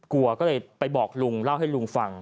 กลัวก็เลยไปบอกลุงเล่าให้ลุงฟัง